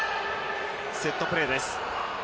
セットプレーです。